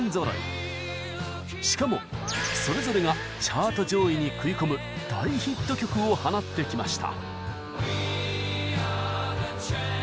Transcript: しかもそれぞれがチャート上位に食い込む大ヒット曲を放ってきました。